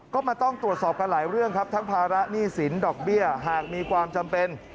ก็มาต้องตรวจสอบกันหลายเรื่องครับทั้งภาระหนี้สินดอกเบี้ยหากมีความจำเป็น